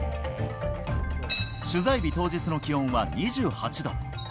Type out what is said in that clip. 取材日当日の気温は２８度。